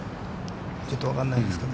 ちょっと分からないですけど。